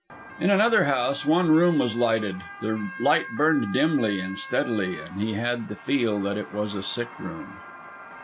In another house one room was lighted. The light burned dimly and steadily, and he had the feel that it was a sick room.